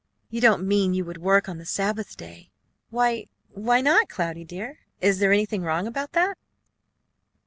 "You don't mean you would work on the Sabbath day!" "Why, why not, Cloudy, dear? Is there anything wrong about that?"